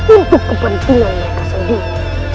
untuk kepentingan mereka sendiri